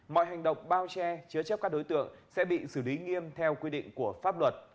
mọi hành động bao che chứa chấp các đối tượng sẽ bị xử lý nghiêm theo quy định của pháp luật